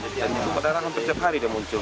dan paderan itu setiap hari muncul